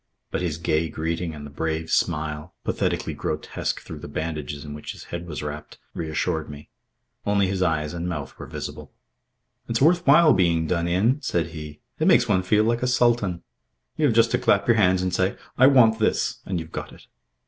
But his gay greeting and the brave smile, pathetically grotesque through the bandages in which his head was wrapped, reassured me. Only his eyes and mouth were visible. "It's worth while being done in," said he. "It makes one feel like a Sultan. You have just to clap your hands and say 'I want this,' and you've got it.